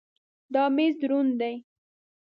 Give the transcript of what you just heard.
دا مېز دروند دی.